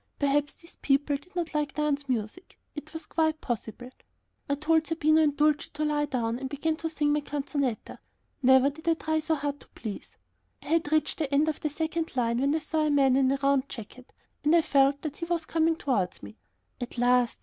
Perhaps these people did not like dance music; it was quite possible. I told Zerbino and Dulcie to lie down, and I began to sing my canzonetta. Never did I try so hard to please. I had reached the end of the second line, when I saw a man in a round jacket, and I felt that he was coming towards me. At last!